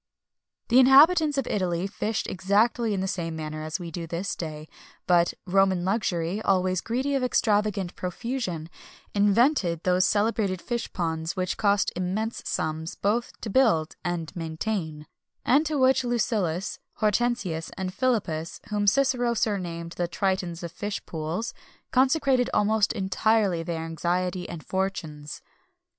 [XXI 277] The inhabitants of Italy fished exactly in the same manner we do at this day;[XXI 278] but Roman luxury, always greedy of extravagant profusion, invented those celebrated fish ponds which cost immense sums, both to build and maintain;[XXI 279] and to which Lucullus, Hortensius, and Philippus, whom Cicero surnamed the "Tritons of fish pools,"[XXI 280] consecrated almost entirely their anxiety and fortunes.